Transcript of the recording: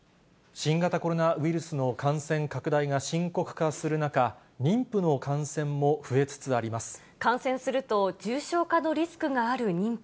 新型コロナウイルスの感染拡大が深刻化する中、感染すると、重症化のリスクがある妊婦。